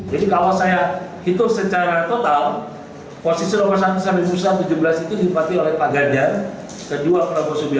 jadi kalau saya hitung secara total posisi nomor satu sampai musyawarah tujuh belas itu dihimpati oleh pak ganjar